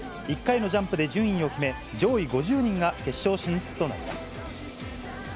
１回のジャンプで順位を決め、上位５０人が決勝進出となります。